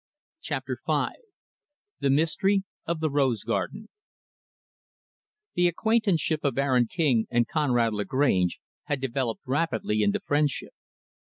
Chapter V The Mystery of the Rose Garden The acquaintance of Aaron King and Conrad Lagrange had developed rapidly into friendship.